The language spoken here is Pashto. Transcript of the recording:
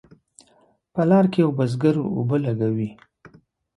په لار کې یو بزګر اوبه لګوي.